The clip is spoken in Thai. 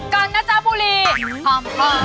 กัญจบุรีพอมพอ